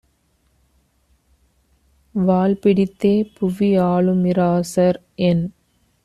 வாள்பிடித் தேபுவி ஆளுமிராசர் என்